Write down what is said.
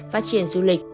phát triển du lịch